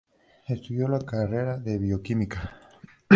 Estudió la carrera de Bioquímica.